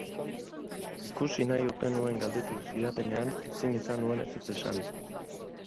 Ikusi nahi ote nuen galdetu zidatenean ezin izan nuen ezetz esan.